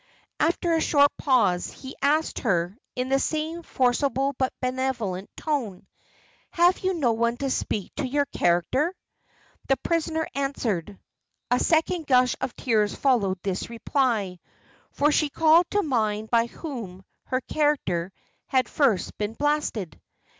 After a short pause, he asked her, in the same forcible but benevolent tone "Have you no one to speak to your character?" The prisoner answered A second gush of tears followed this reply, for she called to mind by whom her character had first been blasted.